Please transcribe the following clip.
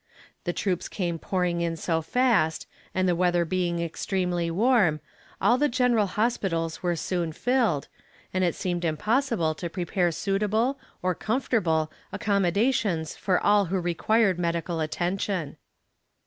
The troops came pouring in so fast, and the weather being extremely warm, all the general hospitals were soon filled, and it seemed impossible to prepare suitable, or comfortable, accommodations for all who required medical attention.